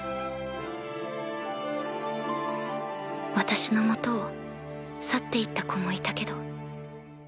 私の元を去って行った子もいたけど。